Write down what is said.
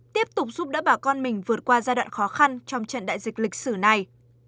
tiếp tục giúp đỡ bà con mình vượt qua giai đoạn khó khăn trong trận đại dịch lịch sử này